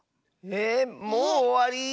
えもうおわり？